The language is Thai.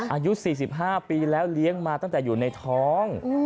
อายุ๔๕ปีแล้วเลี้ยงมาตั้งแต่อยู่ในท้อง